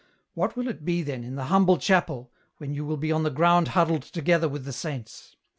What will it be then, in the humble chapel, when you will be on the ground huddled together with the saints